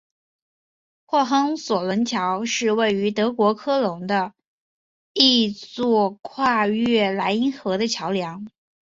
霍亨索伦桥是位于德国科隆的一座跨越莱茵河的桥梁。